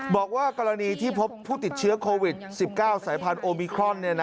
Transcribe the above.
บอกว่ากรณีที่พบผู้ติดเชื้อโควิด๑๙สายพันธุมิครอน